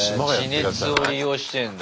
地熱を利用してんだ。